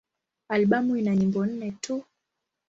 Albamu ina nyimbo nne tu.